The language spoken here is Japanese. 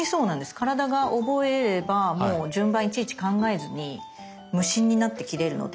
体が覚えればもう順番いちいち考えずに無心になって切れるので。